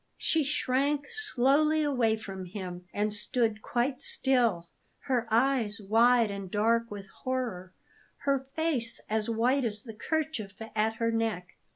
She shrank slowly away from him, and stood quite still, her eyes wide and dark with horror, her face as white as the kerchief at her neck.